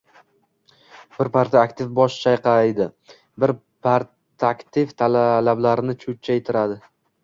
Bir partiya aktivi bosh chayqadi. Bir partaktiv lablarini cho‘chchaytirdi.